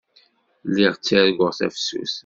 Lliɣ ttarguɣ tafsut.